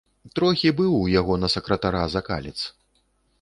Трохі быў у яго на сакратара закалец.